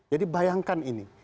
jadi bayangkan ini